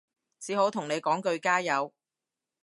只好同你講句加油